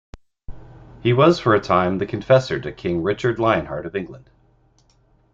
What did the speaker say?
He was for a time the confessor to King Richard Lionheart of England.